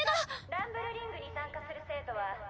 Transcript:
ランブルリングに参加する生徒は。